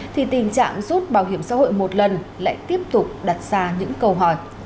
thì tình trạng rút bảo hiểm xã hội một lần lại tiếp tục đặt ra những câu hỏi